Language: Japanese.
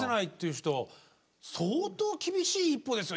人相当厳しい一歩ですよ